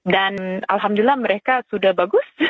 dan alhamdulillah mereka sudah bagus